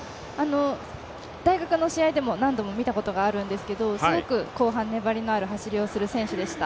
大学の試合でも何度も見たことがあるんですけど、すごく後半粘りのある走りをする選手でした。